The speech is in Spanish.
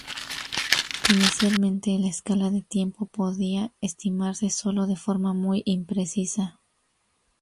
Inicialmente, la escala de tiempo podía estimarse sólo de forma muy imprecisa.